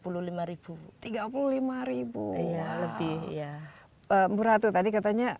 lebih ya berat tadi katanya